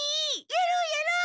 やろうやろう！